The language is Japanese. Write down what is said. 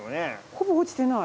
ほぼ落ちてない。